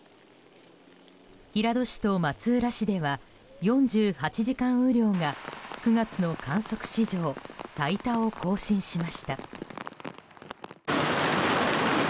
平戸市と松浦市では４８時間雨量が９月の観測史上最多を更新しました。